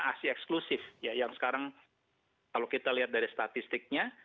aksi eksklusif ya yang sekarang kalau kita lihat dari statistiknya